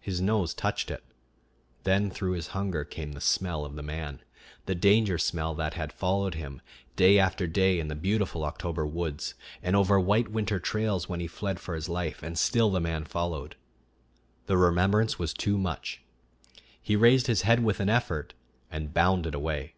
His nose touched it; then through his hunger came the smell of the man the danger smell that had followed him day after day in the beautiful October woods, and over white winter trails when he fled for his life, and still the man followed. The remembrance was too much. He raised his head with an effort and bounded away.